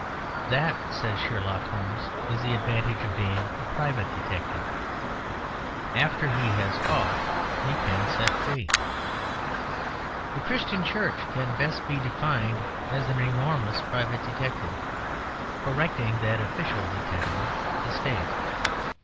"That," says Sherlock Holmes, "is the advantage of being a private detective"; after he has caught he can set free. The Christian Church can best be defined as an enormous private detective, correcting that official detective the State.